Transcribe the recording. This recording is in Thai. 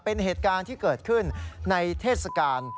เป็นเหตุการณ์ที่เกิดขึ้นในเทศกาล